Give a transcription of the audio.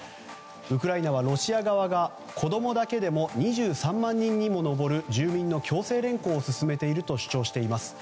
ウクライナはロシア側が子供だけでも２３万人にも上る住民の強制連行を進めていると主張しています。